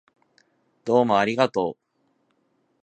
どうもありがとう